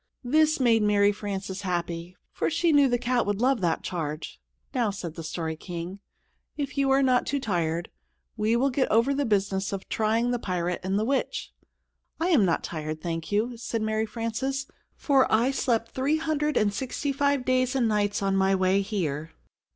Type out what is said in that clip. This made Mary Frances happy, for she knew the cat would love that charge. "Now," said the Story King, "if you are not too tired, we will get over the business of trying the pirate and the witch!" "I am not tired, thank you," said Mary Frances, "for I slept three hundred and sixty five days and nights on my way here."